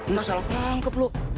ntar salah pangkep loh